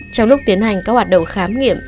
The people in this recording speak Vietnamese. trong lúc tiến hành các hoạt động khám nghiệm